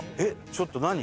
ちょっと何？